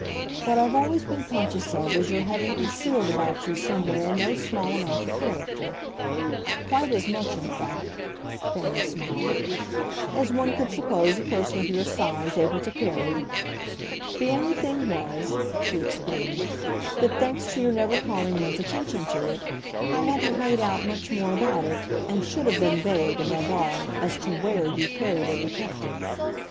What I've always been conscious of is your having concealed about you somewhere no small amount of character; quite as much in fact," Fanny smiled, "as one could suppose a person of your size able to carry. The only thing was," she explained, "that thanks to your never calling one's attention to it, I hadn't made out much more about it, and should have been vague, above all, as to WHERE you carried it or kept it.